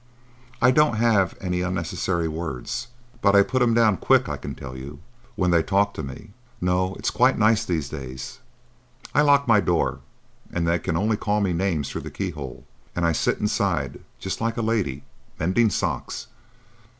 I don't have any unnecessary words, but I put 'em down quick, I can tell you, when they talk to me. No; it's quite nice these days. I lock my door, and they can only call me names through the keyhole, and I sit inside, just like a lady, mending socks.